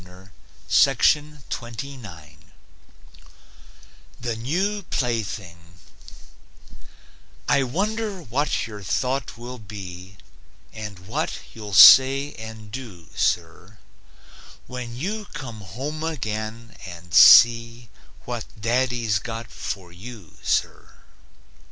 THE NEW PLAYTHING I wonder what your thought will be And what you'll say and do, sir, When you come home again and see What Daddy's got for you, sir.